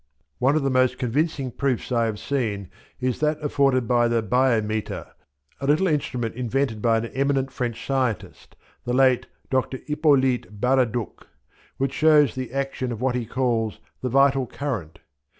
One of the most convincing proofs I have seen is that afforded by the "biometre," a little instrument invented by an eminent French scientist, the late Dr. Hippolyte Baraduc, which shows the action of what he calls the "vital current."